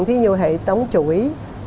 thế như hệ tống chuỗi